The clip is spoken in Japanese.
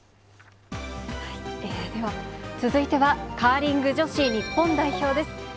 では、続いてはカーリング女子日本代表です。